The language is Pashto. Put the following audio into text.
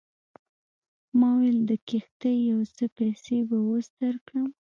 ما وویل د کښتۍ یو څه پیسې به اوس درکړم.